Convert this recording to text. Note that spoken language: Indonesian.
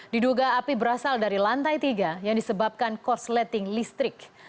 diduga api berasal dari lantai tiga yang disebabkan korsleting listrik